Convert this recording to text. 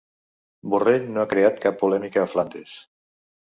Borrell no ha creat cap polèmica a Flandes